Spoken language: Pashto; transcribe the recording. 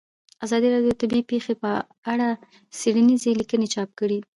ازادي راډیو د طبیعي پېښې په اړه څېړنیزې لیکنې چاپ کړي.